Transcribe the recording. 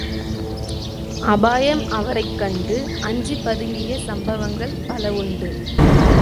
அபாயம் அவரைக் கண்டு அஞ்சிப் பதுங்கிய சம்பவங்கள் பலவுண்டு.